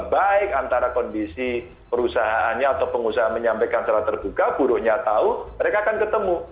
baik antara kondisi perusahaannya atau pengusaha menyampaikan secara terbuka buruhnya tahu mereka akan ketemu